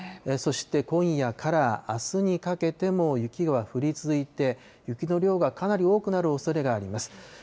そして、今夜からあすにかけても雪は降り続いて、雪の量がかなり多くなるおそれがあります。